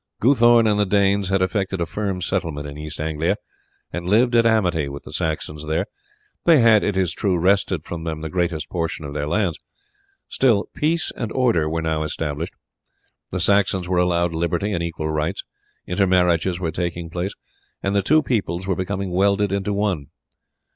Guthorn and the Danes had effected a firm settlement in East Anglia, and lived at amity with the Saxons there. They had, it is true, wrested from them the greatest portion of their lands. Still peace and order were now established. The Saxons were allowed liberty and equal rights. Intermarriages were taking place, and the two peoples were becoming welded into one.